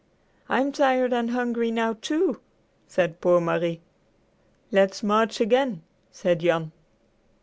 "I'm tired and hungry now, too," said poor Marie. "Let's march again," said Jan.